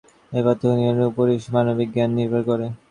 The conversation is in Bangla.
এই পার্থক্য নিরূপণের উপরই সব মানবিক জ্ঞান নির্ভর করে।